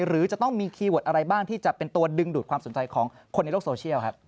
หรือจะต้องมีคีย์เวิร์ดอะไรบ้างที่จะเป็นตัวดึงดูดความสนใจของคนในโลกโซเชียลครับ